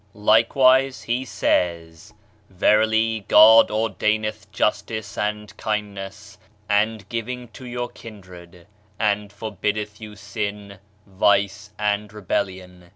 Likewise he says: "Verily, God ordaineth justice and kindness and giving to your kindred and forbiddeth you sin, vice and rebellion.